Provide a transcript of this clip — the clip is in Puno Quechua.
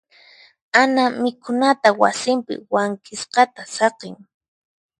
Ana mikhunata wasinpi wank'isqata saqin.